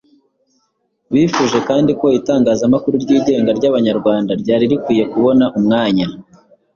bifuje kandi ko itangazamakuru ryigenga ry' Abanyarwanda ryari rikwiye kubona umwanya.